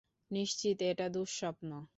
নিশ্চিত এটা দুঃস্বপ্ন।